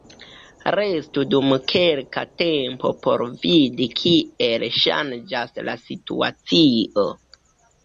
Restu dum kelka tempo por vidi kiel ŝanĝas la situacio.